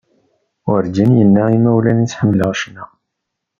Werğin yenna i yimawlan-is iḥemmel ccna.